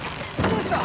どうした！？